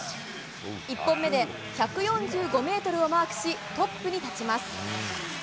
１本目で１４５ｍをマークしトップに立ちます。